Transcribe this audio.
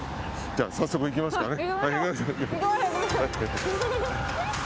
じゃあ、早速行きますかね。